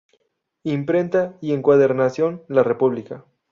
Imprenta y encuadernación La República.